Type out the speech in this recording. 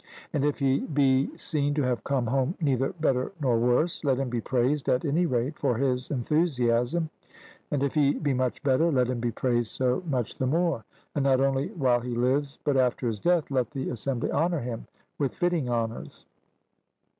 And if he be seen to have come home neither better nor worse, let him be praised at any rate for his enthusiasm; and if he be much better, let him be praised so much the more; and not only while he lives but after his death let the assembly honour him with fitting honours.